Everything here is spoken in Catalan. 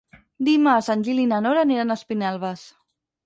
Dimarts en Gil i na Nora aniran a Espinelves.